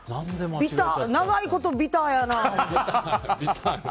長いことビターやなって。